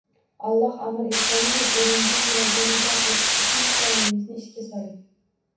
Alloh amr etganidek, eringiz yuragini zabt etish uchun chiroyingizni ishga soling.